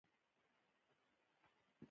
د غزني ستوري ماڼۍ د هندوستان له مرمرو جوړه وه